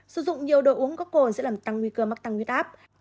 sử dụng nhiều đồ uống có cồn sẽ làm tăng nguy cơ mắc tăng huyết áp